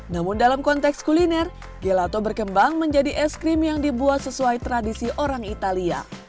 namun dalam konteks kuliner gelato berkembang menjadi es krim yang dibuat sesuai tradisi orang italia